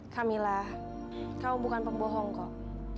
kak mila kamu bukan pembohong kok